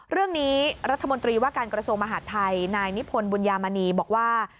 เรื่องนี้รัฐมนตรีว่าการกระทรวงมหาดไทยนายนิพนธ์บุญญามณีบอกว่า